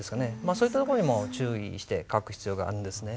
そういったところにも注意して書く必要があるんですね。